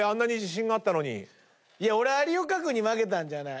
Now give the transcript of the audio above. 俺有岡君に負けたんじゃない。